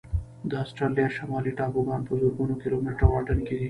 د استرالیا شمالي ټاپوګان په زرګونو کيلومتره واټن کې دي.